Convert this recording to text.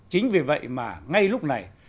chính vì vậy mà ngay lúc này